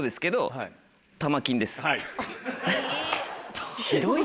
はい。